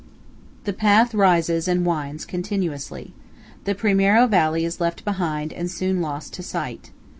The path rises and winds continuously. The Primiero valley is left behind and soon lost to sight.